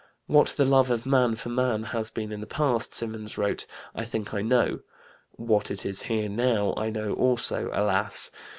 "What the love of man for man has been in the past," Symonds wrote, "I think I know. What it is here now, I know also alas!